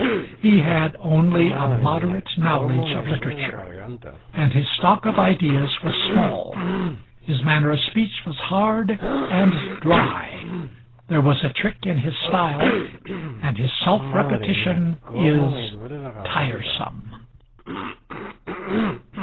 He had only a moderate knowledge of literature, and his stock of ideas was small; his manner of speech was hard and dry, there was a trick in his style, and his self repetition is tiresome.